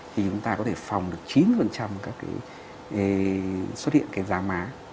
thì chúng ta có thể phòng được chín mươi các cái xuất hiện cái da má